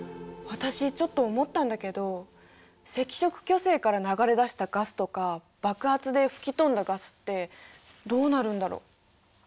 私ちょっと思ったんだけど赤色巨星から流れ出したガスとか爆発で吹き飛んだガスってどうなるんだろ。